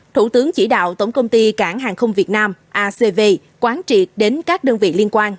thủ tướng chỉ đạo tổng công ty cảng hàng không việt nam acv quán triệt đến các đơn vị liên quan